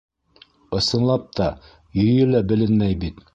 Ысынлап та, йөйө лә беленмәй бит.